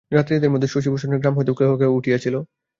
যাত্রীদের মধ্যে শশিভূষণের গ্রাম হইতেও কেহ কেহ উঠিয়াছিল।